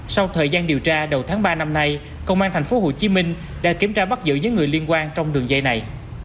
sau thời gian điều tra đầu tháng ba năm nay công an tp hcm đã kiểm tra bắt giữ những người liên quan trong đường dây này